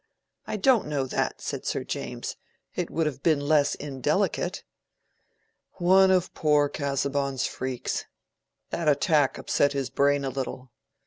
"I don't know that," said Sir James. "It would have been less indelicate." "One of poor Casaubon's freaks! That attack upset his brain a little.